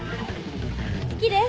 ・好きです。